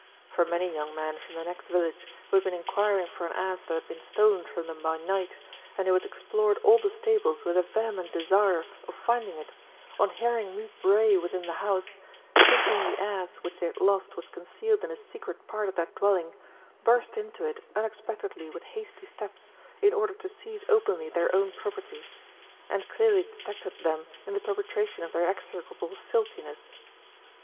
For many young men from the next village who had been inquiring for an ass that had been stolen from them by night, and who had explored all the stables with a vehement desire of finding it, on hearing me bray within the house, thinking the ass which they had lost was concealed in a secret part of that dwelling, burst into it unexpectedly with hasty steps, in order to seize openly their own property ; and clearly detected them in the perpetration of their execrable filthiness.